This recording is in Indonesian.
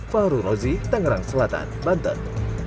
fahru rozi tangerang selatan banten